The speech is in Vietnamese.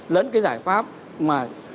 lẫn cái giải pháp mà